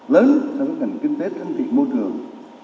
lớn các ngành kinh tế thân thiện môi trường